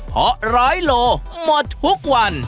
เพราะร้อยโลลีปรุ่น